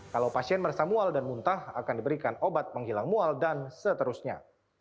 kalau pasien merasa mual dan muntah akan diberikan obat menghilang mual dan seterusnya